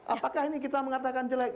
apakah ini kita mengatakan jelek